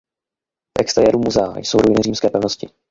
V exteriéru muzea jsou ruiny římské pevnosti.